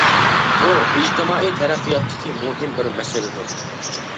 بۇ ئىجتىمائىي تەرەققىياتتىكى مۇھىم بىر مەسىلىدۇر.